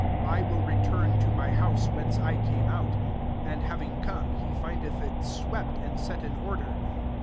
'I will return to my house whence I came out.' 25 And having come, he findeth ii swept and set in order.